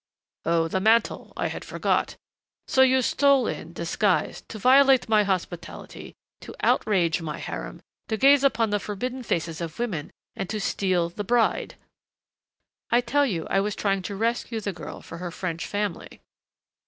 "Oh, the mantle, I had forgot. So you stole in, disguised, to violate my hospitality, to outrage my harem, to gaze upon the forbidden faces of women and to steal the bride " "I tell you I was trying to rescue the girl for her French family.